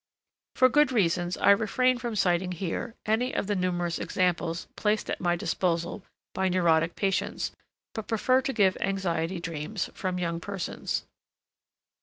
For good reasons I refrain from citing here any of the numerous examples placed at my disposal by neurotic patients, but prefer to give anxiety dreams from young persons.